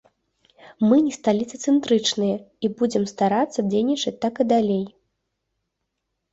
Мы не сталіцацэнтрычныя і будзем старацца дзейнічаць так і далей.